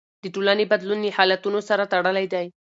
د ټولنې بدلون له حالتونو سره تړلی دی.